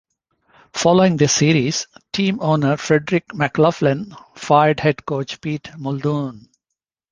Following this series, team owner Frederic McLaughlin fired head coach Pete Muldoon.